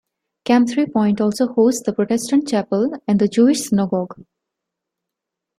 Camp Three Point also hosts the Protestant Chapel and the Jewish Synagogue.